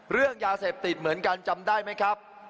เรื่องยาเสพติดเหมือนกันจำได้ไหมครับ